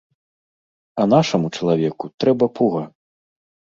А нашаму чалавеку трэба пуга.